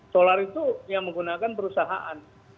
solar itu yang menggunakan perusahaan